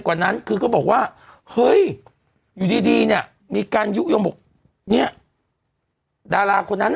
กว่านั้นคือเขาบอกว่าเฮ้ยอยู่ดีเนี่ยมีการยุโยงบอกเนี่ยดาราคนนั้น